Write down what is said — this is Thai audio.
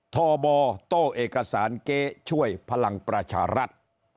ทบโต้เอกสารเก๊ช่วยพลังประชารัฐ